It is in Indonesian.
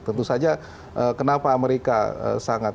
tentu saja kenapa amerika sangat